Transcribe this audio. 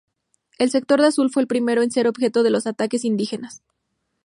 El sector de Azul fue el primero en ser objeto de los ataques indígenas.